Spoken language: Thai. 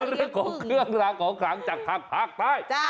เรื่องของเครื่องราของขลางจากขังพักได้